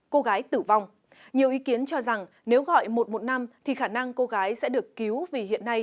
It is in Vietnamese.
cô gái tử vong nhiều ý kiến cho rằng nếu gọi một trăm một mươi năm thì khả năng cô gái sẽ được cứu vì hiện nay